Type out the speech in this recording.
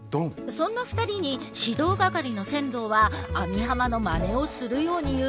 そんな２人に指導係の千堂は網浜のまねをするように言う。